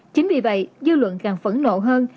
chính vì vậy dư luận càng phẫn nộ hơn